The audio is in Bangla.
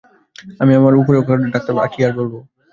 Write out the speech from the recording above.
আপনি আমার যা উপকার করলেন ডাক্তারবাবু, কী আর বলব।